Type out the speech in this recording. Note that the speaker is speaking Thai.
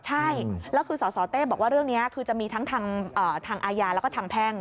ใช่แล้วคือสสเต้บอกว่าเรื่องนี้คือจะมีทั้งทางอาญาแล้วก็ทางแพ่ง